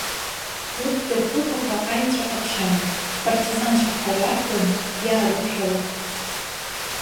Урҭгьы рхылԥақәа аиаҵәа ҟаԥшь аман, ҳпартизанцәоуп ҳәа рарҳәон иаарықәшәалак.